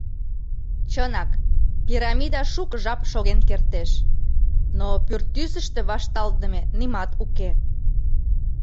Чынак, пирамида шуко жап шоген кертеш, но пӱртӱсыштӧ вашталтдыме нимат уке.